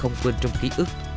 không quên trong ký ức